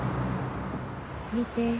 「見て。